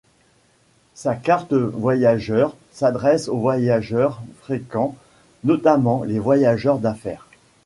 Sa Carte Voyageur s’adresse aux voyageurs fréquents, notamment les voyageurs d’affaires.